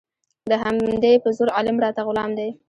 د همدې په زور عالم راته غلام دی